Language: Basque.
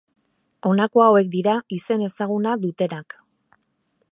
Honako hauek dira izen ezaguna dutenak.